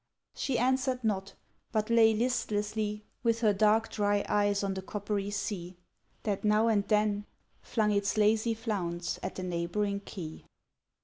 She answered not, but lay listlessly With her dark dry eyes on the coppery sea, That now and then Flung its lazy flounce at the neighbouring quay.